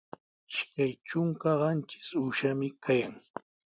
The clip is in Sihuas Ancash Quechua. Ishkay trunka qanchis uushami kayan.